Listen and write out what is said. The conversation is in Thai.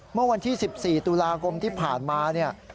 เมื่อวันที่๑๔ตุลาคมที่ผ่านมาเนี่ย